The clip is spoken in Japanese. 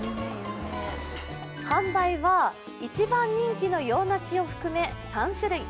販売は一番人気の洋菓子を含め３種類。